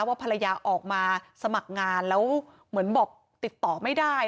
ภรรยาออกมาสมัครงานแล้วเหมือนบอกติดต่อไม่ได้